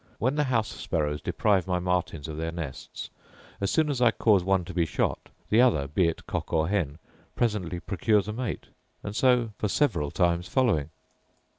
When the house sparrows deprive my martins of their nests, as soon as I cause one to be shot, the other, be it cock or hen, presently procures a mate, and so for several times following.